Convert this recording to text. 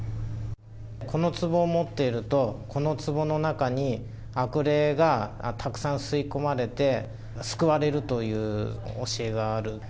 このつぼを持っていると、このつぼの中に悪霊がたくさん吸い込まれて、救われるという教えがある。